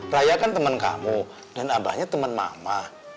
raya kan temen kamu dan abahnya temen mama